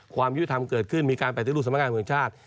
ความยุทธรรมเกิดขึ้นมีการไปติดลูกสมรรค์กรรมเมืองชาติ